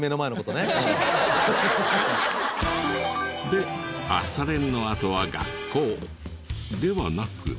で朝練のあとは学校ではなく。